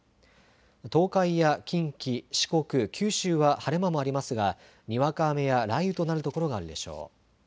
東海や近畿、四国、九州は晴れ間もありますがにわか雨や雷雨となる所があるでしょう。